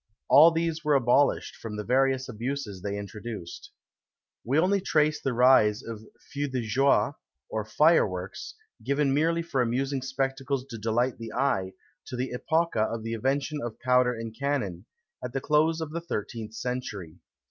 All these were abolished, from the various abuses they introduced. We only trace the rise of feux de joie, or fireworks, given merely for amusing spectacles to delight the eye, to the epocha of the invention of powder and cannon, at the close of the thirteenth century.